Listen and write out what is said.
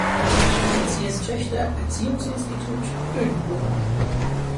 Officierstöchter-Erziehungs-Institut Ödenburg".